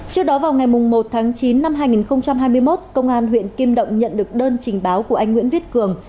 trước đó vào ngày một tháng chín năm hai nghìn hai mươi một công an huyện kim động nhận được đơn trình báo của anh nguyễn viết cường